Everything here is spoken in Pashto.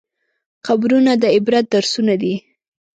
قبرونه د عبرت درسونه دي.